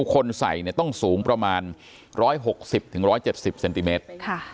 คนใส่ต้องสูงประมาณ๑๖๐๑๗๐เซนติเมตร